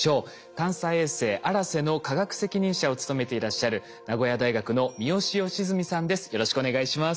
探査衛星「あらせ」の科学責任者を務めていらっしゃる名古屋大学の三好由純さんです。